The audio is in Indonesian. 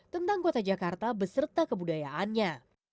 tentang kota jakarta beserta kebudayaannya